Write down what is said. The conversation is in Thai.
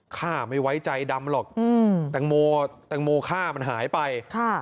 ข้าไม่ไว้ใจดำหรอกอืมตังโมตังโมข้ามันหายไปค่ะ